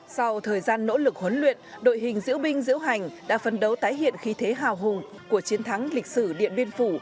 sau thời gian nỗ lực huấn luyện đội hình diễu binh diễu hành đã phân đấu tái hiện khí thế hào hùng của chiến thắng lịch sử điện biên phủ